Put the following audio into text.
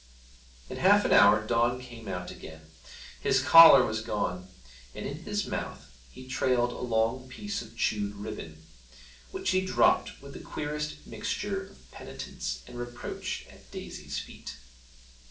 In half an hour Don came out again; his collar was gone, and in his mouth he trailed a long piece of chewed ribbon, which he dropped with the queerest mixture of penitence and reproach at Daisy's feet.